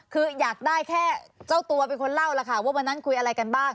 คืออยากได้แค่เจ้าตัวเป็นคนเล่าล่ะค่ะว่าวันนั้นคุยอะไรกันบ้าง